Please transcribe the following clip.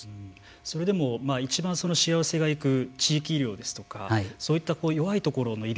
それでもいちばんそのしわ寄せが行く地域医療ですとかそういった弱いところの医療